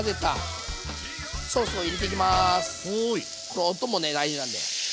この音もね大事なんで。